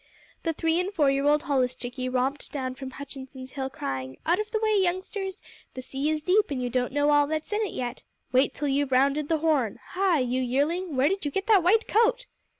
The three and four year old holluschickie romped down from Hutchinson's Hill crying: "Out of the way, youngsters! The sea is deep and you don't know all that's in it yet. Wait till you've rounded the Horn. Hi, you yearling, where did you get that white coat?"